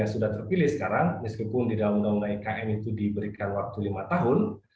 sudah terpilih sekarang meskipun di dalam undang undang ikn itu diberikan waktu lima tahun